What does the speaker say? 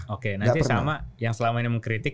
oke nanti sama yang selama ini mengkritik